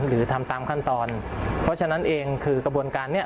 หรือทำตามขั้นตอนเพราะฉะนั้นเองคือกระบวนการเนี้ย